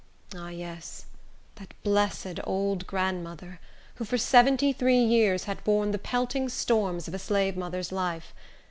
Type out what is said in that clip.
Ah, yes, that blessed old grandmother, who for seventy three years had borne the pelting storms of a slavemother's life.